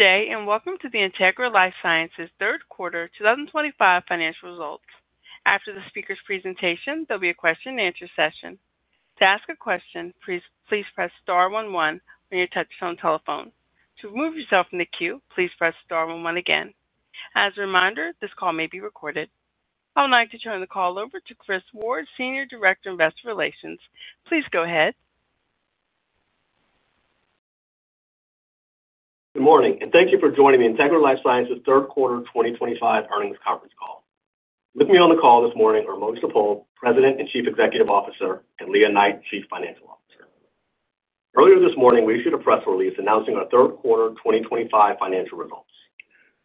Good day and welcome to the Integra LifeSciences third quarter 2025 financial results. After the speaker's presentation, there will be a question and answer session. To ask a question, please press star 11 on your touch tone telephone. To remove yourself from the queue, please press star 11 again. As a reminder, this call may be recorded. I would like to turn the call over to Chris Ward, Senior Director of Investor Relations. Please go ahead. Good morning and thank you for joining the Integra LifeSciences third quarter 2025 earnings conference call. With me on the call this morning are Mojdeh Paul, President and Chief Executive Officer, and Lea Knight, Chief Financial Officer. Earlier this morning we issued a press release announcing our third quarter 2025 financial results.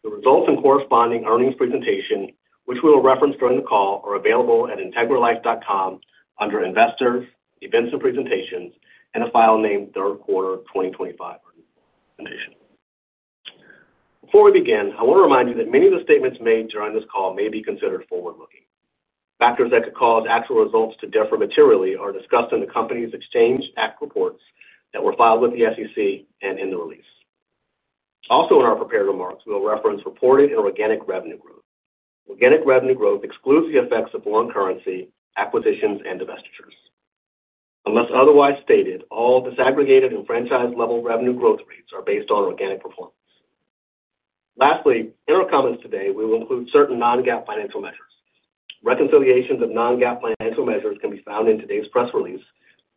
The results and corresponding earnings presentation, which we will reference during the call, are available at integralife.com under Investors Events and Presentations in a file named Third Quarter 2025. Before we begin, I want to remind you that many of the statements made during this call may be considered forward-looking. Factors that could cause actual results to differ materially are discussed in the Company's Exchange Act reports that were filed with the SEC and in the release. Also, in our prepared remarks we will reference reported and organic revenue growth. Organic revenue growth excludes the effects of foreign currency, acquisitions, and divestitures. Unless otherwise stated, all disaggregated and franchise level revenue growth rates are based on organic performance. Lastly, in our comments today we will include certain non-GAAP financial measures. Reconciliations of non-GAAP financial measures can be found in today's press release,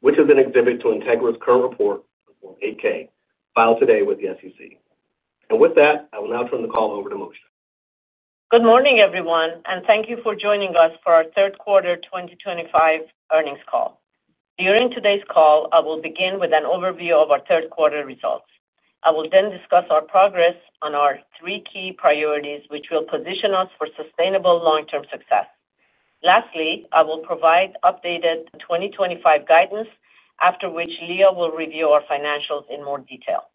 which is an exhibit to Integra's current report Form 8-K filed today with the SEC. With that, I will now turn the call over to Mojdeh. Good morning everyone and thank you for joining us for our third quarter 2025 earnings call. During today's call I will begin with an overview of our third quarter results. I will then discuss our progress on our three key priorities which will position us for sustainable long term success. Lastly, I will provide updated 2025 guidance after which Lea will review our financials in more detail.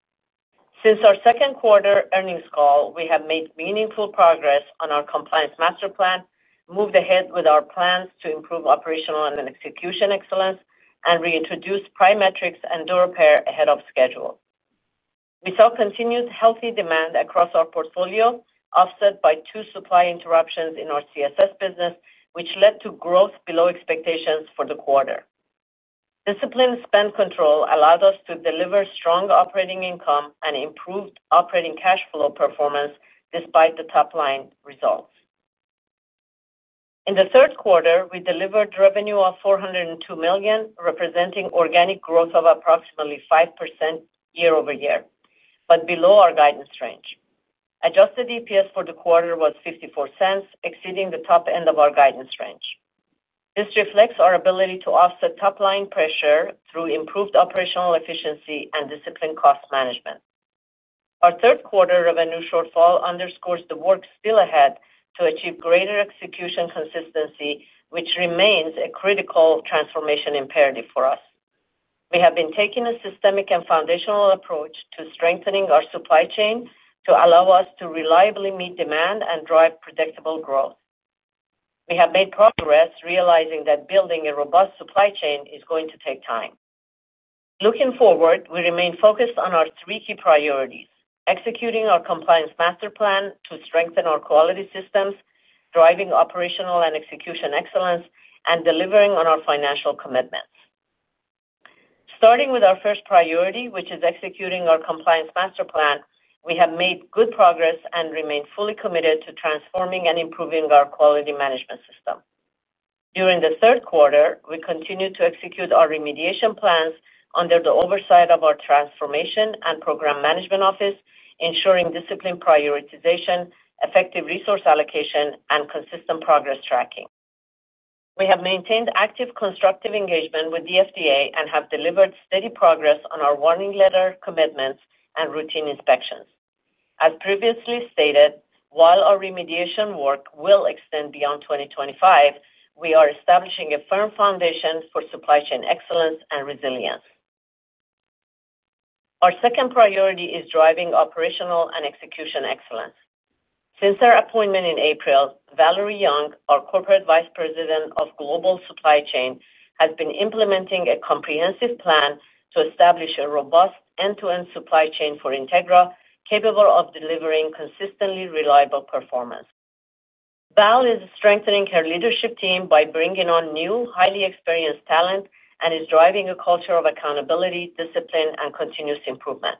Since our second quarter earnings call we have made meaningful progress on our Compliance Master Plan, moved ahead with our plans to improve operational and execution excellence, and reintroduced PriMatrix and Durepair ahead of schedule. We saw continued healthy demand across our portfolio, offset by two supply interruptions in our CSS business which led to growth below expectations for the quarter. Disciplined spend control allowed us to deliver strong operating income and improved operating cash flow performance. Despite the top line results in the third quarter, we delivered revenue of $402 million, representing organic growth of approximately 5% year-over-year but below our guidance range. Adjusted EPS for the quarter was $0.54, exceeding the top end of our guidance range. This reflects our ability to offset top line pressure through improved operational efficiency and disciplined cost management. Our third quarter revenue shortfall underscores the work still ahead to achieve greater execution consistency, which remains a critical transformation imperative for us. We have been taking a systemic and foundational approach to strengthening our supply chain to allow us to reliably meet demand and drive predictable growth. We have made progress, realizing that building a robust supply chain is going to take time. Looking forward, we remain focused on our three key priorities: executing our Compliance Master Plan to strengthen our quality systems, driving operational and execution excellence, and delivering on our financial commitments. Starting with our first priority, which is executing our Compliance Master Plan, we have made good progress and remain fully committed to transforming and improving our quality management system. During the third quarter, we continued to execute our remediation plans under the oversight of our Transformation and Program Management Office, ensuring disciplined prioritization, effective resource allocation, and consistent progress tracking. We have maintained active, constructive engagement with the FDA and have delivered steady progress on our warning letter commitments and routine inspections. As previously stated, while our remediation work will extend beyond 2025, we are establishing a firm foundation for supply chain excellence and resilience. Our second priority is driving operational and execution excellence. Since our appointment in April, Valerie Young, our Corporate Vice President of Global Supply Chain, has been implementing a comprehensive plan to establish a robust end-to-end supply chain for Integra capable of delivering consistently reliable performance. Val is strengthening her leadership team by bringing on new, highly experienced talent and is driving a culture of accountability, discipline, and continuous improvement.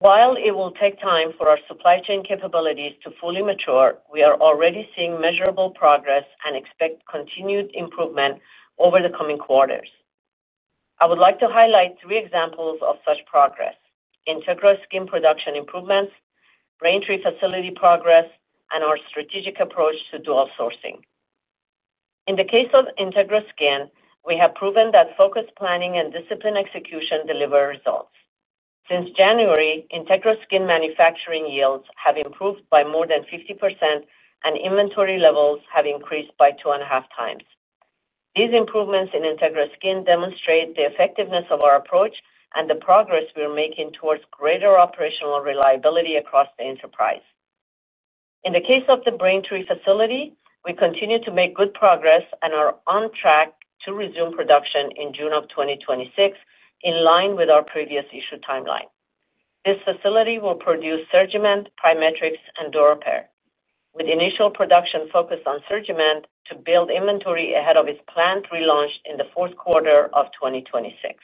While it will take time for our supply chain capabilities to fully mature, we are already seeing measurable progress and expect continued improvement over the coming quarters. I would like to highlight three examples of such progress: Integra Skin production improvements, Braintree facility progress, and our strategic approach to dual sourcing. In the case of Integra Skin, we have proven that focused planning and disciplined execution deliver results. Since January, Integra Skin manufacturing yields have improved by more than 50% and inventory levels have increased by two and a half times. These improvements in Integra Skin demonstrate the effectiveness of our approach and the progress we are making towards greater operational reliability across the enterprise. In the case of the Braintree facility, we continue to make good progress and are on track to resume production in June of 2026. In line with our previous issue timeline, this facility will produce SurgiMend, PriMatrix, and Durepair, with initial production focused on SurgiMend to build inventory ahead of its planned relaunch in the fourth quarter of 2026.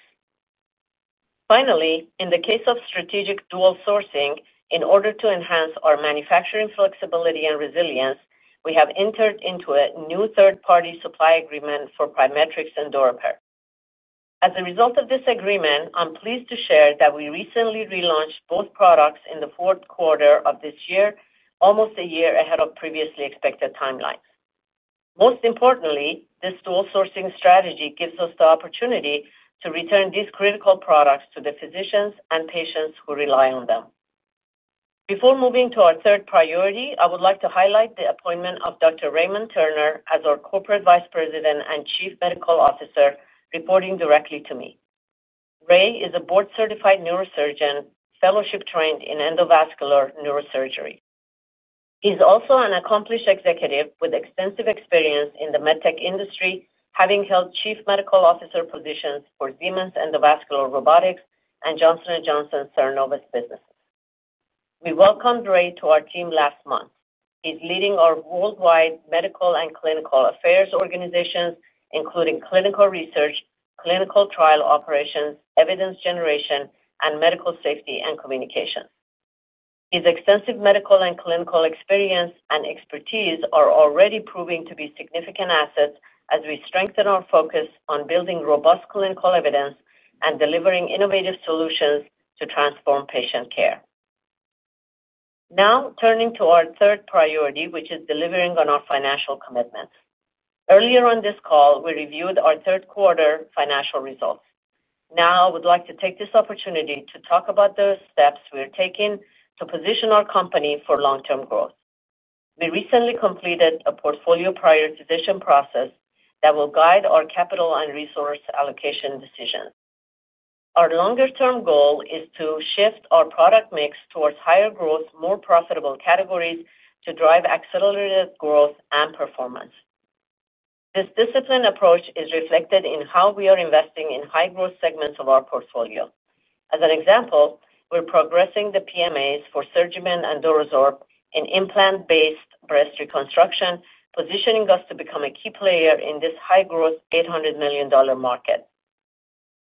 Finally, in the case of strategic dual sourcing, in order to enhance our manufacturing flexibility and resilience, we have entered into a new third-party supply agreement for PriMatrix and Durepair. As a result of this agreement, I'm pleased to share that we recently relaunched both products in the fourth quarter of this year, almost a year ahead of previously expected timelines. Most importantly, this dual sourcing strategy gives us the opportunity to return these critical products to the physicians and patients who rely on them. Before moving to our third priority, I would like to highlight the appointment of Dr. Raymond Turner as our Corporate Vice President and Chief Medical Officer. Reporting directly to me, Ray is a Board Certified Neurosurgeon, fellowship trained in endovascular neurosurgery. He's also an accomplished executive with extensive experience in the medtech industry, having held Chief Medical Officer positions for Siemens Endovascular Robotics and Johnson & Johnson's CERENOVUS businesses. We welcomed Ray to our team last month. He's leading our worldwide medical and clinical affairs organizations, including clinical research and clinical trial operations, evidence generation, and medical safety and communications. His extensive medical and clinical experience and expertise are already proving to be significant assets as we strengthen our focus on building robust clinical evidence and delivering innovative solutions to transform patient care. Now turning to our third priority, which is delivering on our financial commitment. Earlier on this call, we reviewed our third quarter financial results. Now I would like to take this opportunity to talk about the steps we are taking to position our company for long-term growth. We recently completed a portfolio prioritization process that will guide our capital and resource allocation decisions. Our longer-term goal is to shift our product mix towards higher growth, more profitable categories to drive accelerated growth and performance. This disciplined approach is reflected in how we are investing in high growth segments of our portfolio. As an example, we're progressing the PMAs for SurgiMend and DuraSorb in implant-based breast reconstruction, positioning us to become a key player in this high growth $800 million market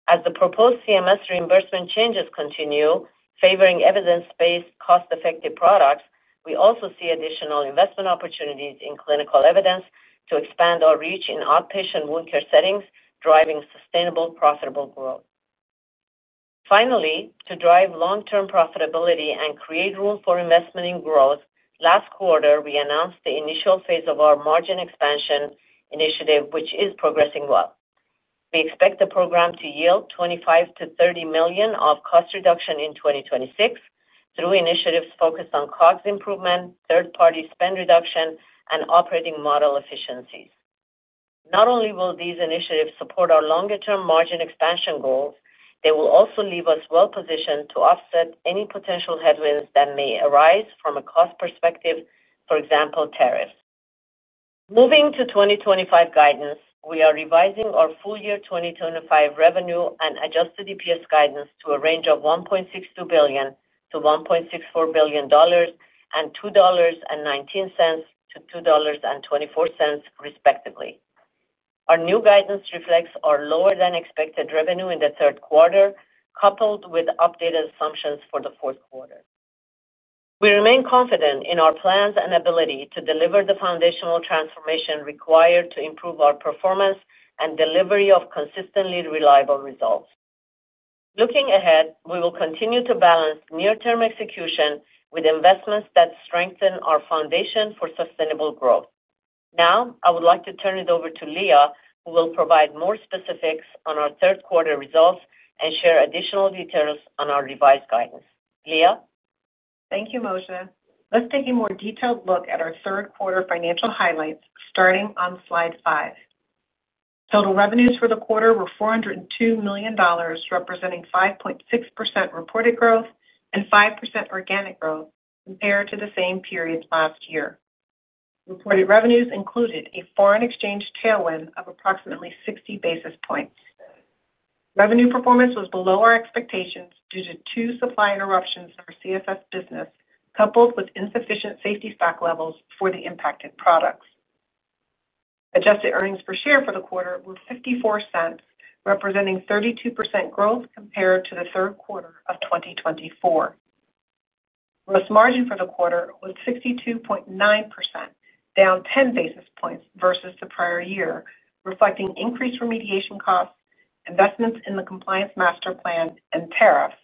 as the proposed CMS reimbursement changes continue favoring evidence-based, cost-effective products. We also see additional investment opportunities in clinical evidence to expand our reach in outpatient wound care settings, driving sustainable, profitable growth. Finally, to drive long-term profitability and create room for investment in growth, last quarter we announced the initial phase of our margin expansion initiative, which is progressing well. We expect the program to yield $25-$30 million of cost reduction in 2026 through initiatives focused on COGS improvement, third party spend reduction, and operating model efficiencies. Not only will these initiatives support our longer term margin expansion goals, they will also leave us well positioned to offset any potential headwinds that may arise from a cost perspective, for example, tariffs. Moving to 2025 guidance, we are revising our full year 2025 revenue and adjusted EPS guidance to a range of $1.62 billion-$1.64 billion and $2.19-$2.24, respectively. Our new guidance reflects our lower than expected revenue in the third quarter, coupled with updated assumptions for the fourth quarter. We remain confident in our plans and ability to deliver the foundational transformation required to improve our performance and delivery of consistently reliable results. Looking ahead, we will continue to balance near term execution with investments that strengthen our foundation for sustainable growth. Now I would like to turn it over to Lea, who will provide more specifics on our third quarter results and share additional details on our revised guidance. Lea, Thank you, Mojdeh. Let's take a more detailed look at our third quarter financial highlights starting on Slide 5. Total revenues for the quarter were $402 million, representing 5.6% reported growth and 5% organic growth compared to the same period last year. Reported revenues included a foreign exchange tailwind of approximately 60 basis points. Revenue performance was below our expectations due to two supply interruptions in our CSS business coupled with insufficient safety stock levels for the impacted products. Adjusted earnings per share for the quarter were $0.54, representing 32% growth compared to the third quarter of 2024. Gross margin for the quarter was 62.9%, down 10 basis points versus the prior year, reflecting increased remediation costs, investments in the Compliance Master Plan, and tariffs,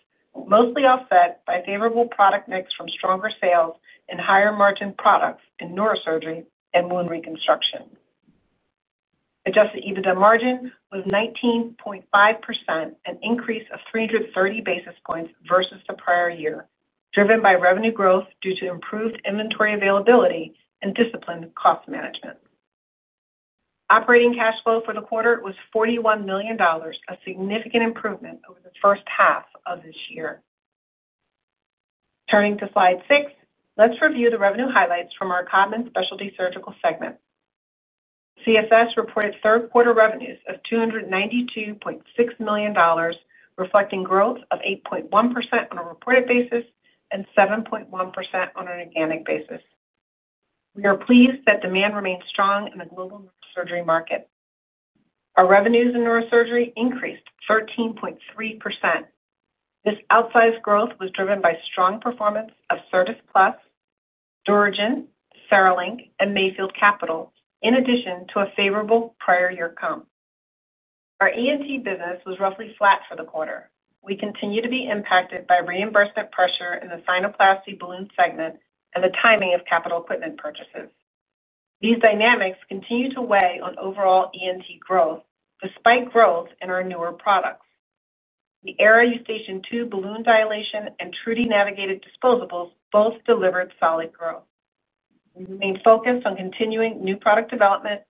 mostly offset by favorable product mix from stronger sales and higher margin products in neurosurgery and wound reconstruction. Adjusted EBITDA margin was 19.5%, an increase of 330 basis points versus the prior year, driven by revenue growth due to improved inventory availability and disciplined cost management. Operating cash flow for the quarter was $41 million, a significant improvement over the first half of this year. Turning to Slide 6, let's review the revenue highlights from our Codman Specialty Surgical segment. CSS reported third quarter revenues of $292.6 million, reflecting growth of 8.1% on a reported basis and 7.1% on an organic basis. We are pleased that demand remains strong in the global neurosurgery market. Our revenues in neurosurgery increased 13.3%. This outsized growth was driven by strong performance of Certas® Plus, DuraGen, CereLink, and MAYFIELD capital. In addition to a favorable prior year comp, our ENT business was roughly flat for the quarter. We continue to be impacted by reimbursement pressures in the sinuplasty balloon segment and the timing of capital equipment purchases. These dynamics continue to weigh on overall ENT growth, despite growth in our newer products. The AERA Eustachian Tube Balloon Dilation and TruDi Navigated Disposables both delivered solid growth. We remain focused on continuing new product development,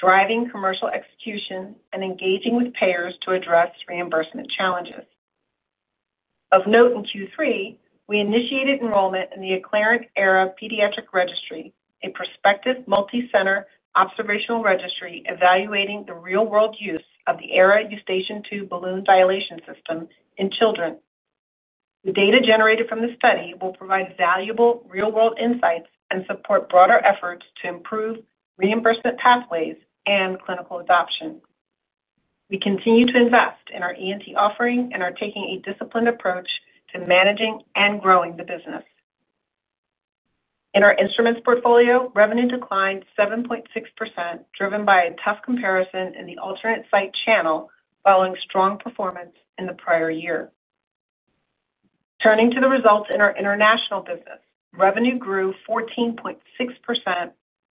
driving commercial execution, and engaging with payers to address reimbursement challenges. Of note, in Q3 we initiated enrollment in the Acclarent AERA Pediatric Registry, a prospective multicenter observational registry evaluating the real world use of the AERA Eustachian Tube Balloon Dilation System in children. The data generated from the study will provide valuable real world insights and support broader efforts to improve reimbursement pathways and clinical adoption. We continue to invest in our ENT offering and are taking a disciplined approach to managing and growing the business. In our instruments portfolio, revenue declined 7.6% driven by a tough comparison in the alternate site channel following strong performance in the prior year. Turning to the results in our international business, revenue grew 14.6%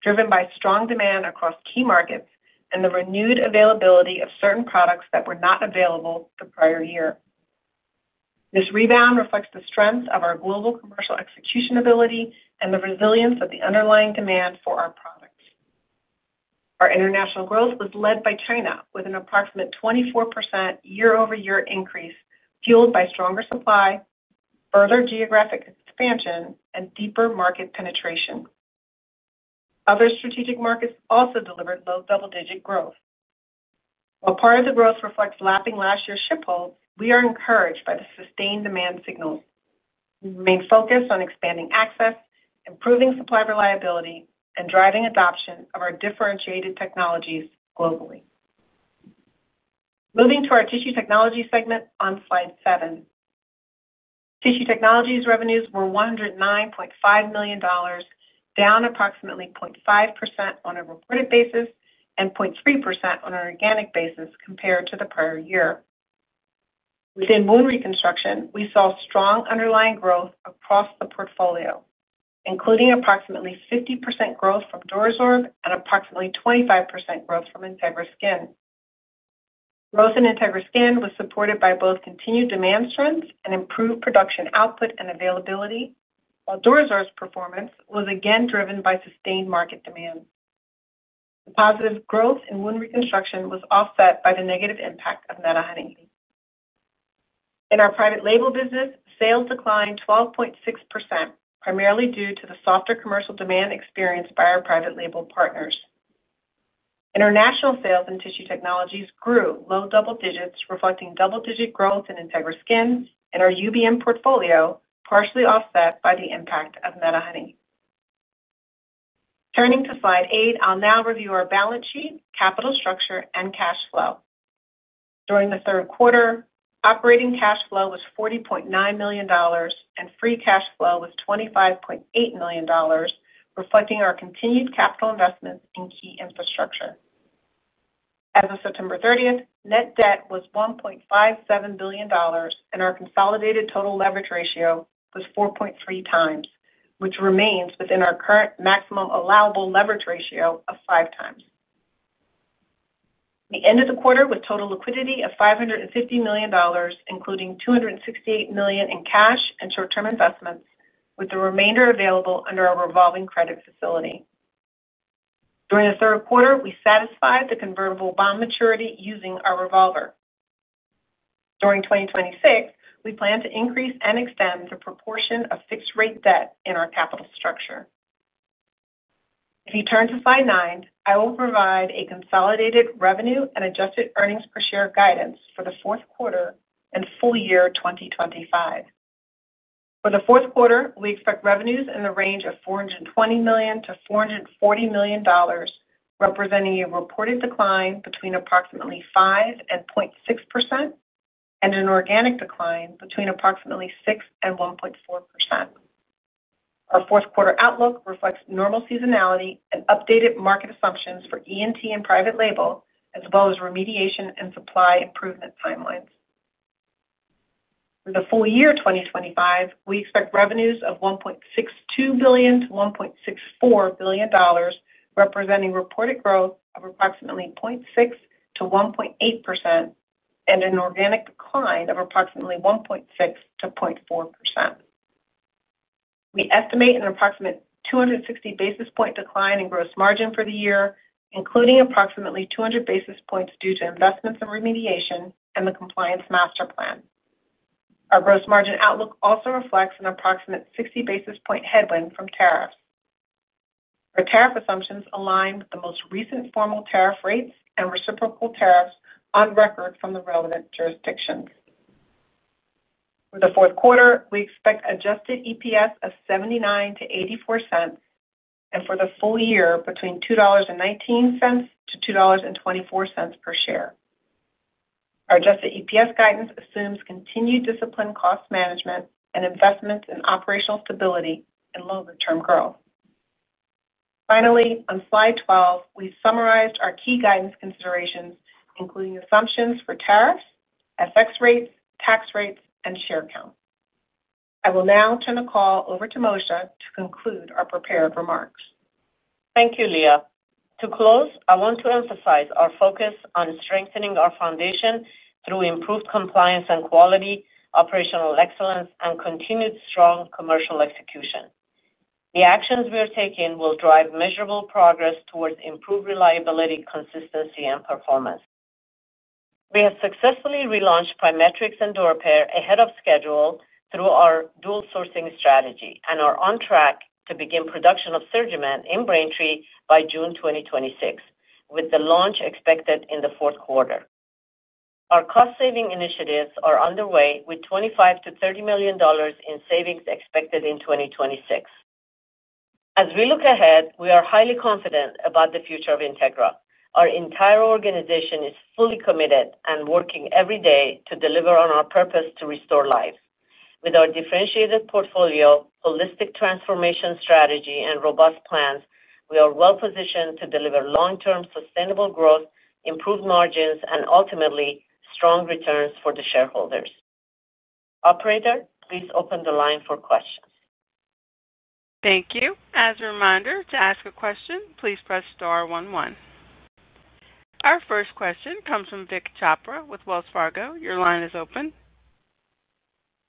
driven by strong demand across key markets and the renewed availability of certain products that were not available the prior year. This rebound reflects the strength of our global commercial execution ability and the resilience of the underlying demand for our products. Our international growth was led by China with an approximate 24% year-over-year increase fueled by stronger supply, further geographic expansion, and deeper market penetration. Other strategic markets also delivered low double digit growth. While part of the growth reflects lapping last year's ship hold, we are encouraged by the sustained demand signals. We remain focused on expanding access, improving supply reliability, and driving adoption of our differentiated technologies globally. Moving to our Tissue Technologies segment on Slide 7, Tissue Technologies revenues were $109.5 million, down approximately 0.5% on a reported basis and 0.3% on an organic basis compared to the prior year. Within wound reconstruction, we saw strong underlying growth across the portfolio, including approximately 50% growth from DuraSorb and approximately 25% growth from Integra Skin. Growth in Integra Skin was supported by both continued demand strengths and improved production, output, and availability. DuraSorb's performance was again driven by sustained market demand. The positive growth in wound reconstruction was offset by the negative impact of MediHoney in our private label business. Sales declined 12.6% primarily due to the softer commercial demand experienced by our private label partners. International sales in Tissue Technologies grew low double digits, reflecting double digit growth in Integra Skin and our UBM portfolio, partially offset by the impact of MediHoney. Turning to Slide 8, I'll now review our balance sheet, capital structure, and cash flow. During the third quarter, operating cash flow was $40.9 million and free cash flow was $25.8 million, reflecting our continued capital investments in key infrastructure. As of September 30, net debt was $1.57 billion and our consolidated total leverage ratio was 4.3 times, which remains within our current maximum allowable leverage ratio of 5 times. We ended the quarter with total liquidity of $550 million, including $268 million in cash and short term investments with the remainder available under our revolving credit facility. During the third quarter, we satisfied the convertible bond maturity using our revolver. During 2026, we plan to increase and extend the proportion of fixed rate debt in our capital structure. If you turn to Slide 9, I will provide a consolidated revenue and adjusted earnings per share guidance for the fourth quarter and full year 2025. For the fourth quarter, we expect revenues in the range of $420 million-$440 million, representing a reported decline between approximately 5%-0.6% and an organic decline between approximately 6%-1.4%. Our fourth quarter outlook reflects normal seasonality and updated market assumptions for ENT and private label as well as remediation and supply improvement timelines. For the full year 2025, we expect revenues of $1.62 billion-$1.64 billion, representing reported growth of approximately 0.6%-1.8% and an organic decline of approximately 1.6%-0.4%. We estimate an approximate 260 basis point decline in gross margin for the year, including approximately 200 basis points due to investments in remediation and the Compliance Master Plan. Our gross margin outlook also reflects an approximate 60 basis point headwind from tariffs. Our tariff assumptions align with the most recent formal tariff rates and reciprocal tariffs on record from the relevant jurisdictions. For the fourth quarter, we expect adjusted EPS of $0.79-$0.84 and for the full year between $2.19-$2.24 per share. Our adjusted EPS guidance assumes continued disciplined cost management and investments in operational stability and longer term growth. Finally, on Slide 12, we summarized our key guidance considerations including assumptions for tariffs, FX rates, tax rates and share count. I will now turn the call over to Mojdeh to conclude our prepared remarks. Thank you, Lea. To close, I want to emphasize our focus on strengthening our foundation through improved compliance and quality, operational excellence, and continued strong commercial execution. The actions we are taking will drive measurable progress towards improved reliability, consistency, and performance. We have successfully relaunched PriMatrix and Durepair ahead of schedule through our dual sourcing strategy and are on track to begin production of SurgiMend in Braintree by June 2026, with the launch expected in the fourth quarter. Our cost saving initiatives are underway with $25-$30 million in savings expected in 2026. As we look ahead, we are highly confident about the future of Integra LifeSciences. Our entire organization is fully committed and working every day to deliver on our purpose to restore lives. With our differentiated portfolio, holistic transformation strategy, and robust plans, we are well positioned to deliver long term sustainable growth, improved margins, and ultimately strong returns for the shareholders. Operator, please open the line for questions. Thank you. As a reminder to ask a question, please press star 11. Our first question comes from Vik Chopra with Wells Fargo. Your line is open.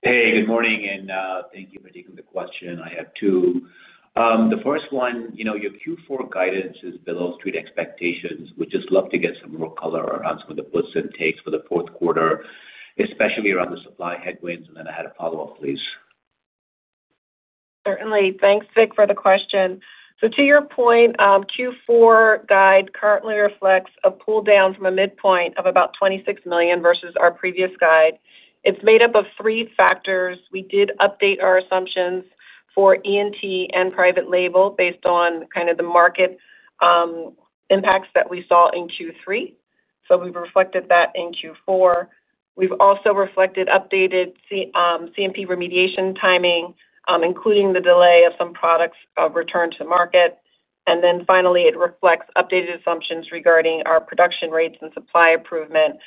Good morning and thank you for taking the question. I have two. The first one, your Q4 guidance is below street expectations. I'd just love to get some more color around some of the puts and takes for the fourth quarter, especially around the supply headwinds. I had a follow up, please. Certainly. Thanks, Vik, for the question. To your point, Q4 guide currently reflects a pull down from a midpoint of about $26 million versus our previous guide. It's made up of three factors. We did update our assumptions for ENT and private label based on kind of the market impacts that we saw in Q3. We've reflected that in Q4. We've also reflected updated CMP remediation timing, including the delay of some products' return to market. Finally, it reflects updated assumptions regarding our production rates and supply improvement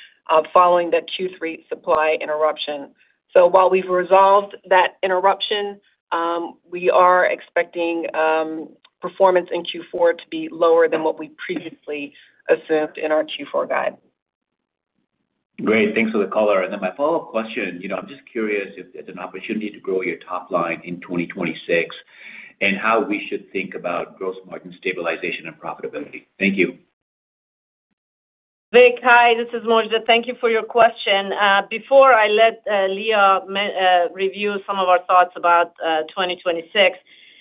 following the Q3 supply interruption. While we've resolved that interruption, we are expecting performance in Q4 to be lower than what we previously assumed in our Q4 guide. Great. Thanks for the color. My follow up question, I'm just curious if there's an opportunity to grow your top line in 2026 and how we should think about gross margin stabilization and profitability. Thank you. Hi, this is Mojdeh. Thank you for your question. Before I let Lea review some of our thoughts about 2026,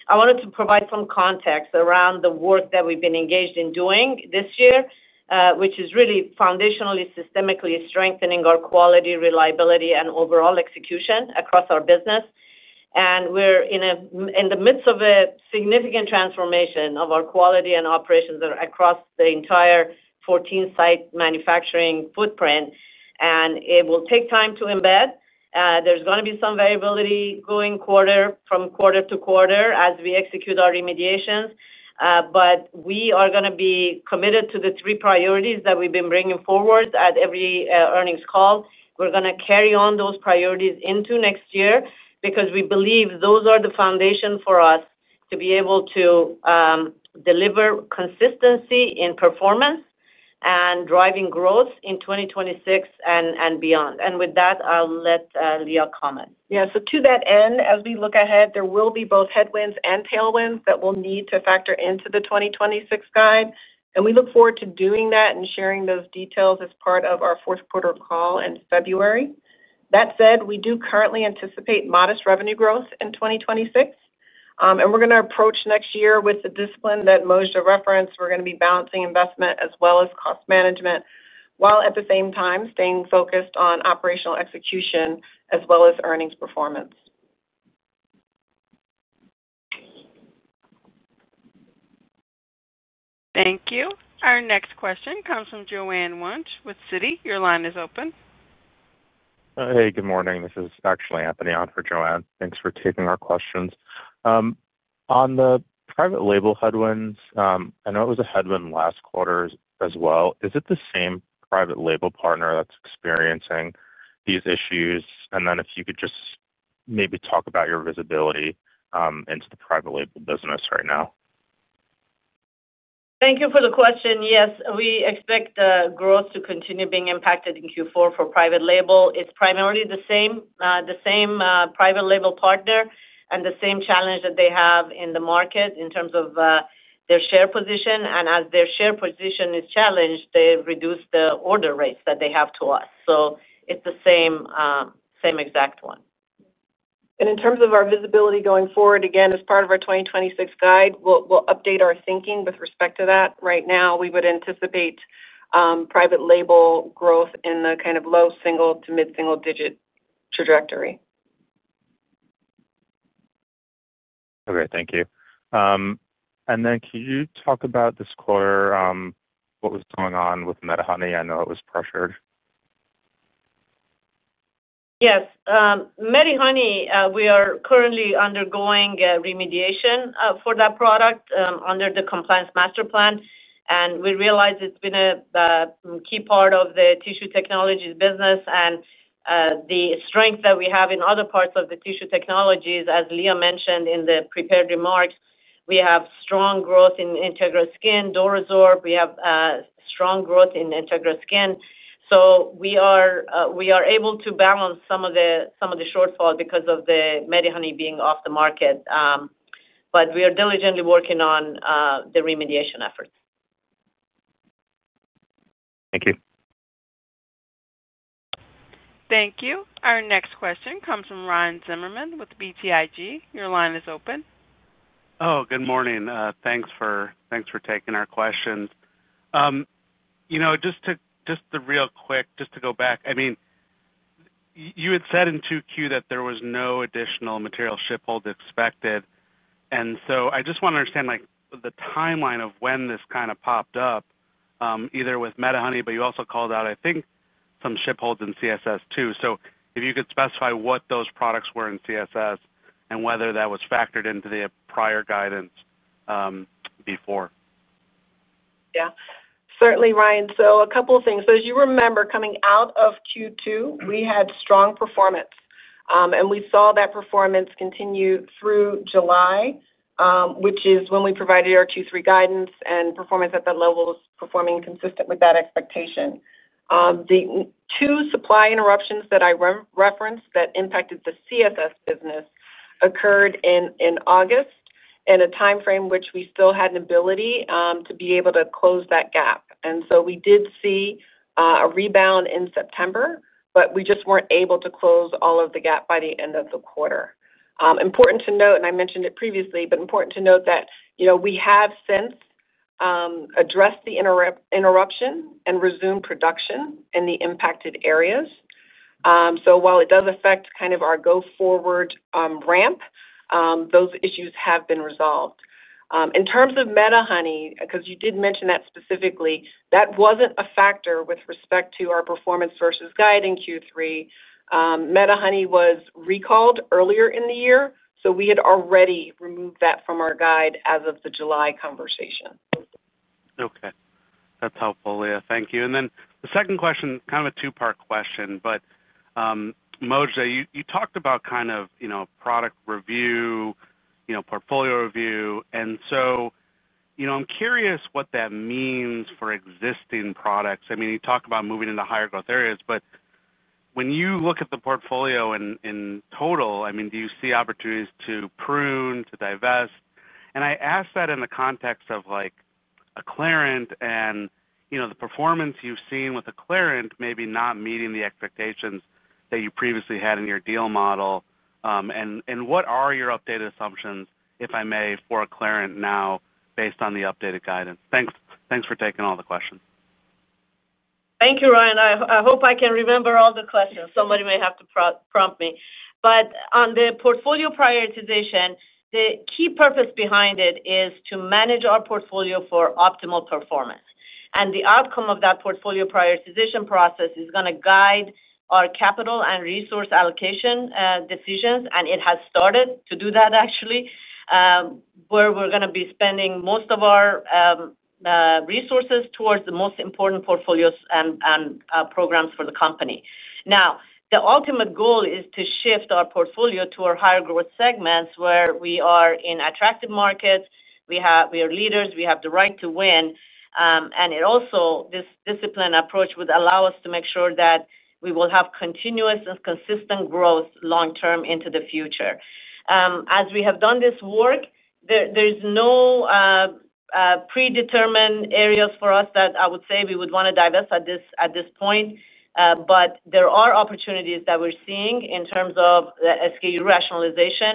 I wanted to provide some context around the work that we've been engaged in doing this year, which is really foundationally, systemically strengthening our quality, reliability, and overall execution across our business. We're in the midst of a significant transformation of our quality and operations across the entire 14-site manufacturing footprint, and it will take time to embed. There's going to be some variability going quarter to quarter as we execute our remediations, but we are going to be committed to the three priorities that we've been bringing forward at every earnings call. We're going to carry on those priorities into next year because we believe those are the foundation for us to be able to deliver consistency in performance and driving growth in 2026 and beyond. With that, I'll let Lea comment. Yeah. To that end, as we look ahead, there will be both headwinds and tailwinds that we'll need to factor into the 2026 guide. We look forward to doing that and sharing those details as part of our fourth quarter call in February. That said, we do currently anticipate modest revenue growth in 2026 and we're going to approach next year with the discipline that Mojdeh referenced. We're going to be balancing investment as well as cost management while at the same time staying focused on operational execution as well as earnings. Thank you. Our next question comes from Joanne Wuensch with Citi. Your line is open. Hey, good morning. This is actually Anthony on for Joanne. Thanks for taking our questions on the private label headwinds. I know it was a headwind last quarter as well. Is it the same private label partner that's experiencing these issues? If you could just maybe talk about your visibility into the private label business right now. Thank you for the question. Yes, we expect growth to continue being impacted in Q4 for private label. It is primarily the same private label partner and the same challenge that they have in the market in terms of their share position. As their share position is challenged, they reduce the order rates that they have usually. It is the same exact one. In terms of our visibility going forward, again as part of our 2026 guide, we'll update our thinking with respect to that. Right now we would anticipate private label growth in the kind of low single to mid single digit trajectory. Okay, thank you. Can you talk about this quarter? What was going on with MediHoney? I know it was pressured. Yes, MediHoney. We are currently undergoing remediation for that product under the Compliance Master Plan, and we realize it's been a key part of the Tissue Technologies business and the strength that we have in other parts of the Tissue Technologies. As Lea mentioned in the prepared remarks, we have strong growth in Integra Skin. DuraSorb—we have strong growth in Integra Skin. We are able to balance some of the shortfall because of the MediHoney being off the market. We are diligently working on the remediation efforts. Thank you. Thank you. Our next question comes from Ryan Zimmerman with BTIG. Your line is open. Good morning. Thanks for taking our questions. Just to go back, you had said in 2Q that there was no additional material ship hold expected, and I just want to understand the timeline of when this kind of popped up, either with MediHoney, but you also called out, I think, some ship holds in CSS too. If you could specify what those products were in CSS and whether that was factored into the prior guidance before. Yeah, certainly Ryan. A couple of things. As you remember, coming out of Q2 we had strong performance and we saw that performance continue through July, which is when we provided our Q3 guidance, and performance at that level was performing consistent with that expectation. The two supply interruptions that I referenced that impacted the CSS business occurred in August in a timeframe which we still had an ability to be able to close that gap. We did see a rebound in September, but we just weren't able to close all of the gap by the end of the quarter. It's important to note, and I mentioned it previously, but important to note that we have since addressed the interruption and resumed production in the impacted areas. While it does affect kind of our go forward ramp, those issues have been resolved. In terms of MediHoney because you did mention that specifically, that wasn't a factor with respect to our performance versus guide in Q3. MediHoney was recalled earlier in the year, so we had already removed that from our guide as of the July conversation. Okay, that's helpful, Lea. Thank you. The second question is kind of a two-part question. Mojdeh, you talked about kind of product review, portfolio review. I'm curious what that means for existing products. You talk about moving into higher growth areas. When you look at the portfolio in total, do you see opportunities to prune, to divest? I ask that in the context of something like a clarant and the performance you've seen with a clarant, maybe not meeting the expectations that you previously had in your deal model. What are your updated assumptions, if I may, for a clarant now based on the updated guidance? Thanks for taking all the questions. Thank you, Ryan. I hope I can remember all the questions. Somebody may have to prompt me. On the portfolio prioritization, the key purpose behind it is to manage our portfolio for optimal performance. The outcome of that portfolio prioritization process is going to guide our capital and resource allocation decisions. It has started to do that actually, where we're going to be spending most of our resources towards the most important portfolios and programs for the company. The ultimate goal is to shift our portfolio to our higher growth segments where we are in attractive markets. We are leaders, we have the right to win. This disciplined approach would allow us to make sure that we will have continuous and consistent growth long term into the future. As we have done this work, there's no predetermined areas for us that I would say we would want to divest at this point. There are opportunities that we're seeing in terms of SKU rationalization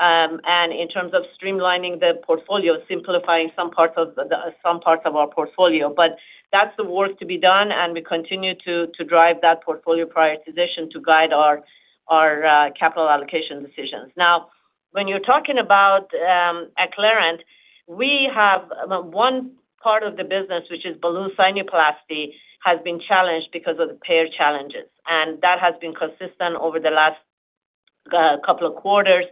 and in terms of streamlining the portfolio, simplifying some parts of our portfolio. That's the work to be done and we continue to drive that portfolio prioritization to guide our capital allocation decisions. When you're talking about Acclarent, we have one part of the business which is Balloon Sinuplasty that has been challenged because of the payer challenges and that has been consistent over the last couple of quarters.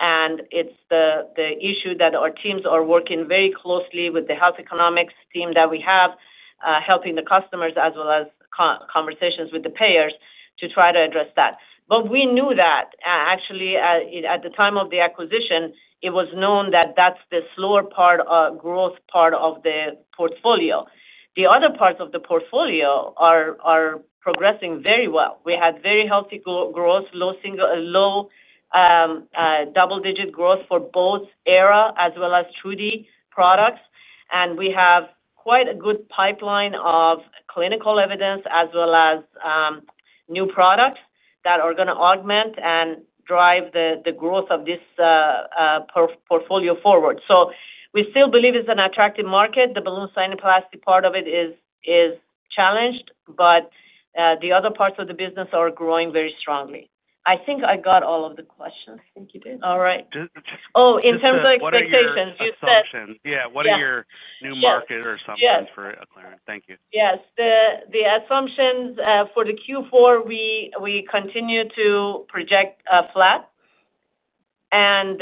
It's the issue that our teams are working very closely with the health economics team that we have, helping the customers as well as conversations with the payers to try to address that. We knew that actually at the time of the acquisition it was known that that's the slower growth part of the portfolio. The other parts of the portfolio are progressing very well. We had very healthy growth, low double-digit growth for both AERA as well as TruDi products. We have quite a good pipeline of clinical evidence as well as new products that are going to augment and drive the growth of this portfolio forward. We still believe it's an attractive market. The balloon sinuplasty part of it is challenged, but the other parts of the business are growing very strongly. I think I got all of the questions. I think you did all right. In terms of expectations. What are your new market or assumptions for? Thank you. Yes, the assumptions for the Q4, we continue to project flat, and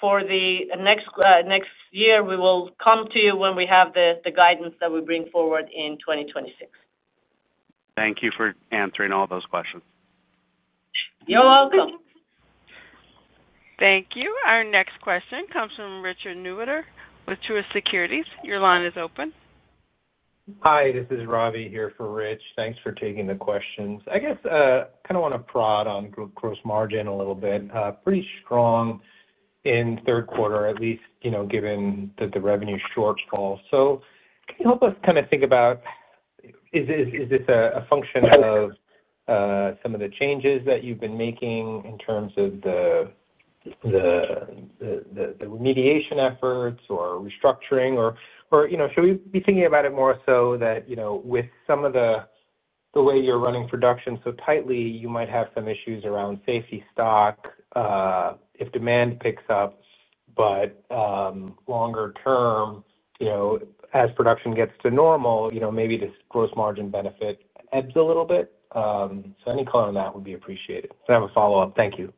for the next year we will come to you when we have the guidance that we bring forward in 2026. Thank you for answering all those questions. You're welcome. Thank you. Our next question comes from Richard Newitter with Truist Securities. Your line is open. Hi, this is Ravi here for Rich. Thanks for taking the questions. I guess kind of want to prod on gross margin a little bit. Pretty strong in third quarter at least given that the revenue shortfall. Can you help us kind of think about is this a function of some of the changes that you've been making in terms of the remediation efforts or restructuring, or should we be thinking about it more so that with some of the way you're running production so tightly, you might have some issues around safety stock if demand picks up? Longer term as production gets to normal, maybe this gross margin benefit ebbs a little bit. Any color on that would be appreciated. I have a follow up. Thank you.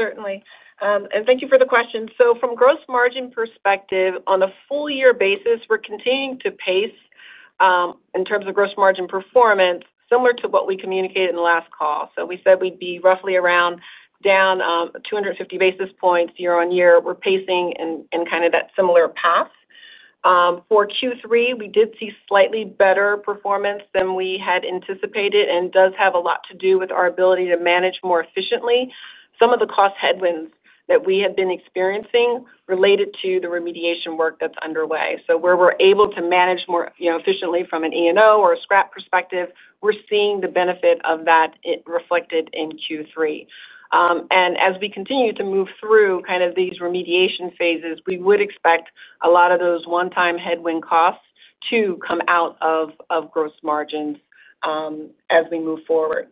Certainly. Thank you for the question. From a gross margin perspective on a full year basis, we're continuing to pace in terms of gross margin performance similar to what we communicated in the last call. We said we'd be roughly around down 250 basis points year on year. We're pacing in kind of that similar path. For Q3, we did see slightly better performance than we had anticipated, and it does have a lot to do with our ability to manage more efficiently some of the cost headwinds that we have been experiencing related to the remediation work that's underway. Where we're able to manage more efficiently from an EO or a scrap perspective, we're seeing the benefit of that reflected in Q3. As we continue to move through these remediation phases, we would expect a lot of those one-time headwind costs to come out of gross margins as we move forward.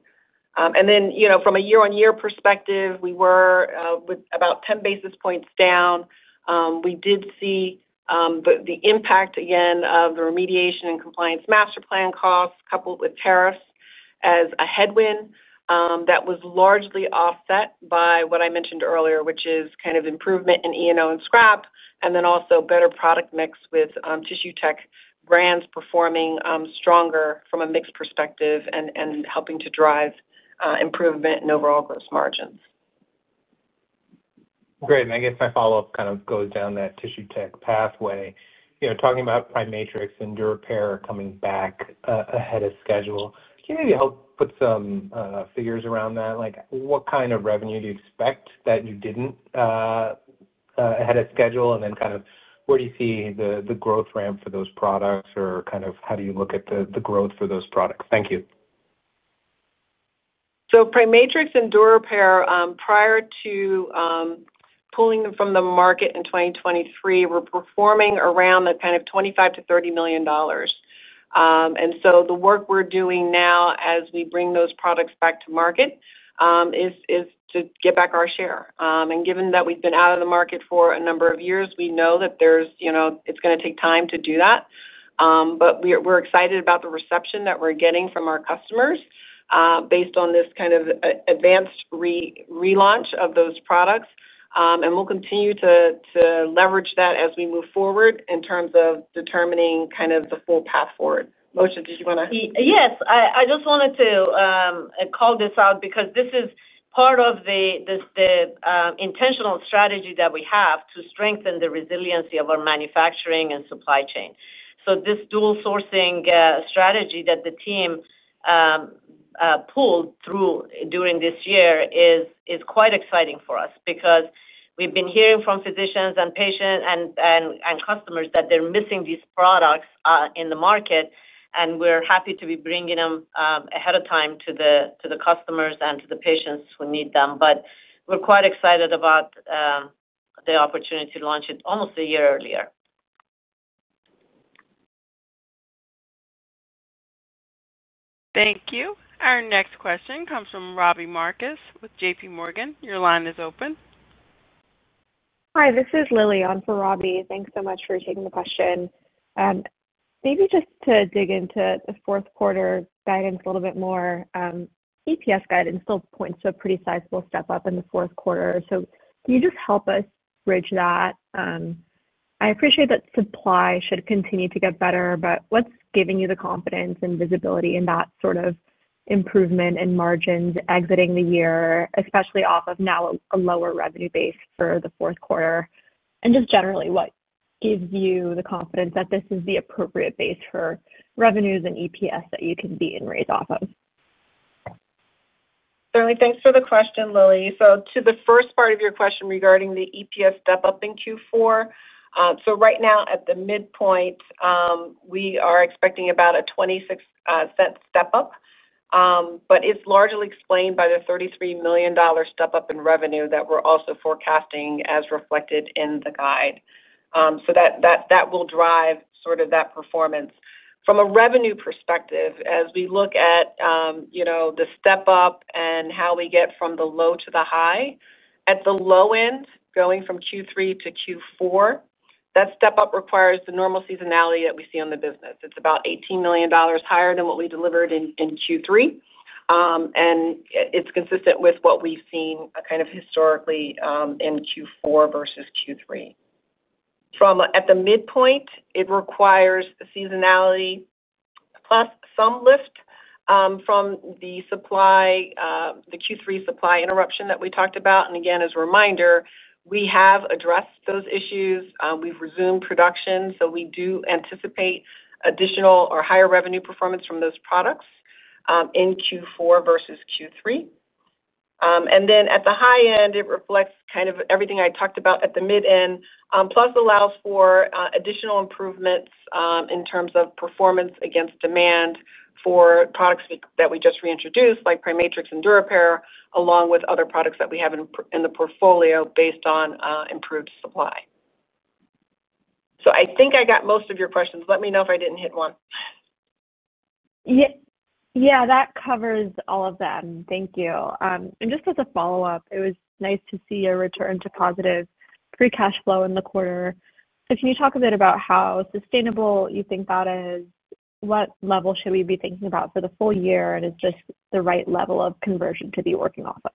From a year on year perspective, we were about 10 basis points down. We did see the impact again of the remediation and Compliance Master Plan costs coupled with tariffs as a headwind that was largely offset by what I mentioned earlier, which is improvement in EO and scrap and also better product mix with tissue tech brands performing stronger from a mix perspective and helping to drive improvement in overall gross margins. Great. I guess my follow up kind of goes down that tissue tech pathway. Talking about PriMatrix and Durepair coming back ahead of schedule, can you maybe help put some figures around that? Like what kind of revenue do you expect that you didn't ahead of schedule, and then where do you see the growth ramp for those products or how do you look at the growth for those products? Thank you. PriMatrix and Durepair, prior to pulling them from the market in 2023, were performing around that kind of $25-$30 million. The work we're doing now as we bring those products back to market is to get back our share. Given that we've been out of the market for a number of years, we know that it's going to take time to do that. We're excited about the reception that we're getting from our customers based on this kind of advanced relaunch of those products. We'll continue to leverage that as we move forward in terms of determining kind of the full path forward. Yes, I just wanted to call this out because this is part of the intentional strategy that we have to strengthen the resiliency of our manufacturing and supply chain. This dual sourcing strategy that the team pulled through during this year is quite exciting for us because we've been hearing from physicians and patients and customers that they're missing these products in the market. We're happy to be bringing them ahead of time to the customers and to the patients who need them. We're quite excited about the opportunity to launch it almost a year earlier. Thank you. Our next question comes from Robbie Marcus with JPMorgan. Your line is open. Hi, this is Lily on for Robbie. Thanks so much for taking the question. Maybe just to dig into the fourth quarter guidance a little bit more. EPS guidance still points to a pretty sizable step up in the fourth quarter. Can you just help us bridge that? I appreciate that supply should continue to get better, but what's giving you the confidence and visibility in that sort of improvement in margins exiting the year, especially off of now a lower revenue base for the fourth quarter? What gives you the confidence that this is the appropriate base for revenues and EPS that you can beat and raise off of? Certainly. Thanks for the question, Lily. To the first part of your question regarding the EPS step up in Q4, right now at the midpoint, we are expecting about a $0.26 step up, but it's largely explained by the $33 million step up in revenue that we're also forecasting as reflected in the guide. That will drive that performance from a revenue perspective. As we look at the step up and how we get from the low to the high, at the low end, going from Q3 to Q4, that step up requires the normal seasonality that we see on the business. It's about $18 million higher than what we delivered in Q3, and it's consistent with what we've seen historically in Q4 versus Q3. At the midpoint, it requires seasonality plus some lift from the supply, the Q3 supply interruption that we talked about. As a reminder, we have addressed those issues. We've resumed production, so we do anticipate additional or higher revenue performance from those products in Q4 versus Q3. At the high end, it reflects everything I talked about at the mid end, plus allows for additional improvements in terms of performance against demand for products that we just reintroduced like PriMatrix and Durepair, along with other products that we have in the portfolio based on improved supply. I think I got most of your questions. Let me know if I didn't hit one. Yeah, that covers all of them. Thank you. Just as a follow up, it. Was nice to see a return to positive free cash flow in the quarter. Can you talk a bit about how sustainable you think that is? What level should we be thinking about for the full year, and is just the right level of conversion to be working off of?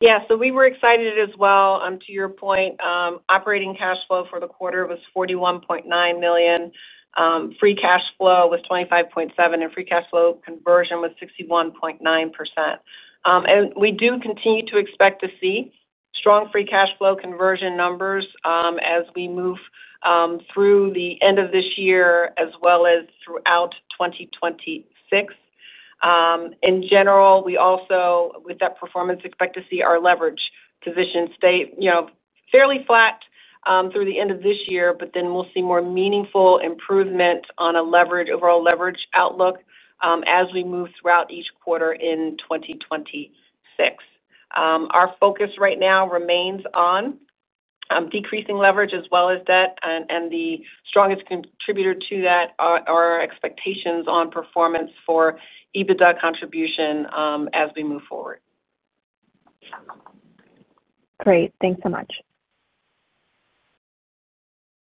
Yeah. We were excited as well. To your point, operating cash flow for the quarter was $41.9 million, free cash flow was $25.7 million, and free cash flow conversion was 61.9%. We do continue to expect to see strong free cash flow conversion numbers as we move through the end of this year as well as throughout 2026. In general, with that performance, we also expect to see our leverage position stay fairly flat through the end of this year. We will see more meaningful improvement on our overall leverage outlook as we move throughout each quarter. In 2026, our focus right now remains on decreasing leverage as well as debt, and the strongest contributor to that are our expectations on performance for EBITDA contribution as we move forward. Great. Thanks so much.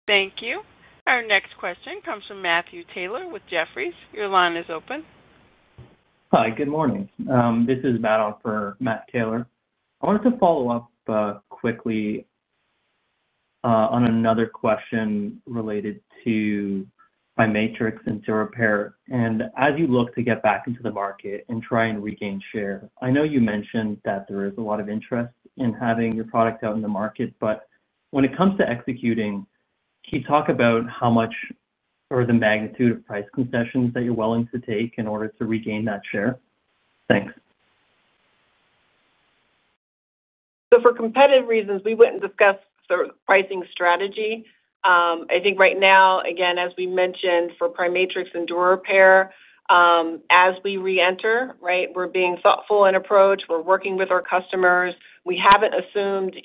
Thank you. Our next question comes from Matthew Taylor with Jefferies. Your line is open. Hi, good morning. This is Matt on for Matt Taylor. I wanted to follow up quickly on another question related to PriMatrix and Durepair. As you look to get back into the market and try to regain share, I know you mentioned that there is a lot of interest in having your product out in the market, but when it comes to executing, can you talk about how much or the magnitude of price concessions that you're willing to take in order to regain that share? Thanks. For competitive reasons, we wouldn't discuss pricing strategy. Right now, as we mentioned, for PriMatrix and Durepair as we reenter, we're being thoughtful in approach. We're working with our customers. We haven't assumed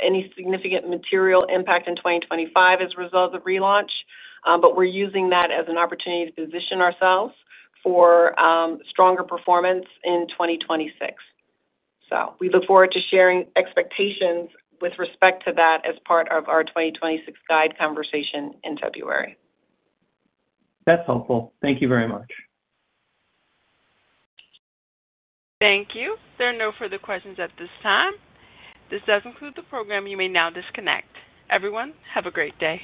any significant material impact in 2025 as a result of relaunch, but we're using that as an opportunity to position ourselves for stronger performance in 2026. We look forward to sharing expectations with respect to that as part of our 2026 guide conversation in February. That's helpful. Thank you. Thank you. There are no further questions at this time. This does conclude the program. You may now disconnect. Everyone, have a great day.